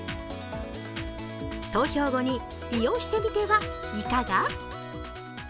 投票後に利用してみてはいかが？